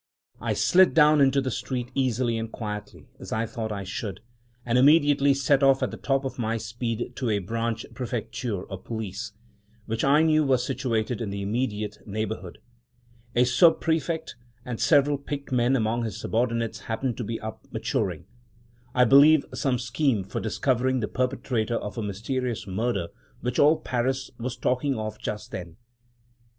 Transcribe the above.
I slid down into the street easily and quietly, as I thought I should, and immediately set off at the top of my speed to a branch "Prefecture" of Police, which I knew was situated in the immediate neighborhood. A "Sub prefect," and several picked men among his subordinates, happened to be up, maturing, I believe, some scheme for discovering the perpetrator of a mysterious murder which all Paris was talking of just then.